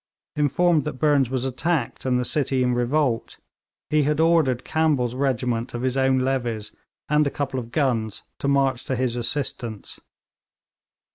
Informed that Burnes was attacked and the city in revolt, he had ordered Campbell's regiment of his own levies and a couple of guns to march to his assistance.